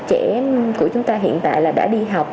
trẻ của chúng ta hiện tại đã đi học